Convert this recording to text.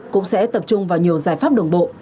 cũng sẽ tập trung vào nhiều giải pháp đồng bộ